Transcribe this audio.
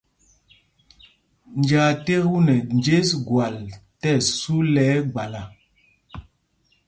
Njāā ték u nɛ njes gwal tí ɛsu lɛ ɛgbala.